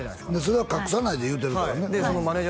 それは隠さないで言うてるからね